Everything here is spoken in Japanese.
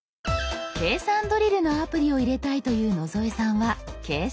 計算ドリルのアプリを入れたいという野添さんは「計算」。